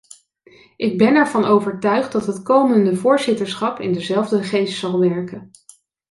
Ik ben ervan overtuigd dat het komende voorzitterschap in dezelfde geest zal werken.